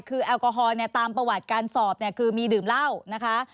คือแอลกอฮอล์ตามประวัติการสอบคือมีดื่มเล่านะคะ